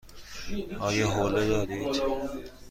آیا حوله دارد؟